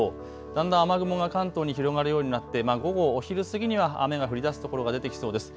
だんだん雨雲が関東に広がるようになって、午後、お昼過ぎには雨が降りだす所が出てきそうです。